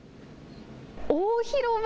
大広間。